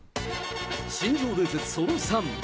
新庄伝説、その３。